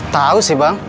tau sih bang